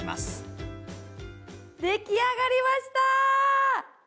出来上がりました！